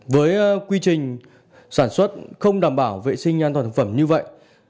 với quy trình sản xuất không đảm bảo vệ sinh an toàn thực phẩm như vậy